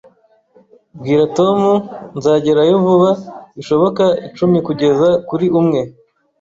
Bwira Tom nzagerayo vuba bishoboka Icumi kugeza kuri umwe,